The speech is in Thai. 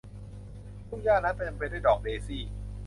ทุ่งหญ้านั้นเต็มไปด้วยดอกเดซี่